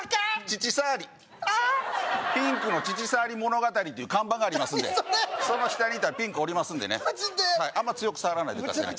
乳触りピンクの乳触り物語っていう看板がありますんで何それその下に行ったらピンクおりますんでねあんま強く触らないでくださいね